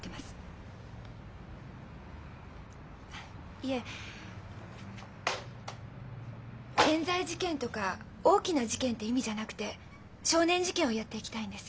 いえ冤罪事件とか大きな事件って意味じゃなくて少年事件をやっていきたいんです。